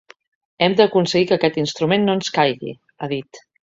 Hem d’aconseguir que aquest instrument no ens caigui, ha dit.